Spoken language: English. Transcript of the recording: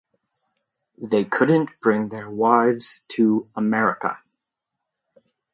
They couldn't bring their wives to America.